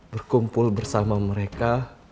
berkumpul bersama mereka